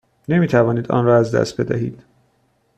نمی توانید آن را از دست بدهید.